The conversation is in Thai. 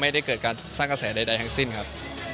ไม่ได้เกิดการสร้างกระแสใดทั้งสิ้นครับ